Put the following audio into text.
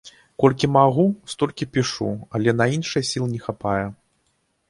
Колькі магу, столькі пішу, але на іншае сіл не хапае.